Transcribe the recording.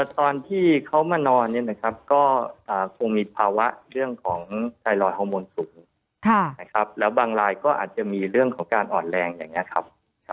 ตอนที่เขามานอนเนี่ยนะครับก็คงมีภาวะเรื่องของไทรอยฮอร์โมนสูงนะครับแล้วบางรายก็อาจจะมีเรื่องของการอ่อนแรงอย่างนี้ครับ